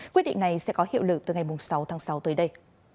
quyết định này sẽ có hiệu lực từ ngày sáu tháng sáu tới đây